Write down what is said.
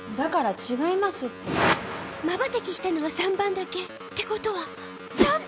まばたきしたのは３番だけ。ってことは３番？